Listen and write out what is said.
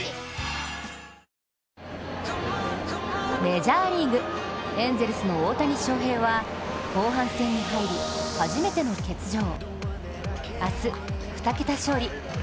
メジャーリーグ、エンゼルスの大谷翔平は後半戦に入り、初めての欠場。